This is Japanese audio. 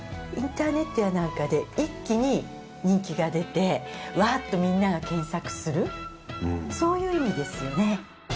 インターネットやなんかで一気に人気が出てわっとみんなが検索するそういう意味ですよね。